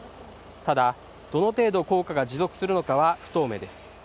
ただ、どの程度効果が持続するのかは不透明です。